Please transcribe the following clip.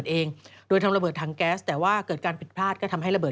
ซึ่งตอน๕โมง๔๕นะฮะทางหน่วยซิวได้มีการยุติการค้นหาที่